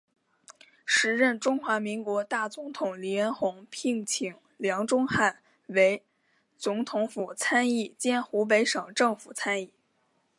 时任中华民国大总统黎元洪聘请梁钟汉为总统府参议兼湖北省政府参议。